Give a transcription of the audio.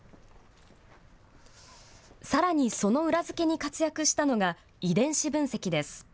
さらに、その裏付けに活躍したのが、遺伝子分析です。